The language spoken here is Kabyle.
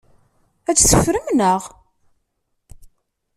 Ad t-teffrem, naɣ?